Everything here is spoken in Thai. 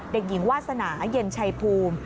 เด็กหญิงวาสนาเย็นชัยภูมิ